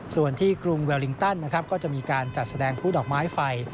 ส่วนที่กรุงเวลลิงตันนะครับก็จะมีการจัดแสดงผู้ดอกไม้ไฟ